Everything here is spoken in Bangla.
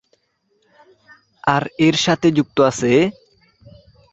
আর এর সাথে যুক্ত আছে...